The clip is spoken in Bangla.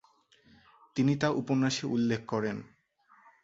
তিনি তা উপন্যাসে উল্লেখ করেন।